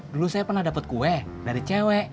dulu saya pernah dapat kue dari cewek